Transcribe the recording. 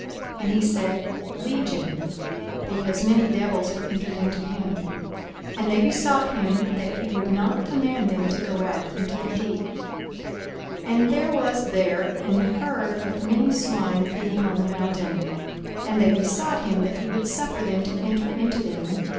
And he said, Legion: because many devils were entered into him. 42:008:031 And they besought him that he would not command them to go out into the deep. 42:008:032 And there was there an herd of many swine feeding on the mountain: and they besought him that he would suffer them to enter into them.